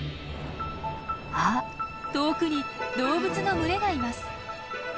あっ遠くに動物の群れがいます。